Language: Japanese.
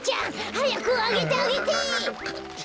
はやくあげてあげて！